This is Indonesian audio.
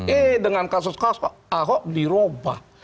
eh dengan kasus kasus pak ahok dirubah